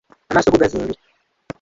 Amaaso go gazimbye..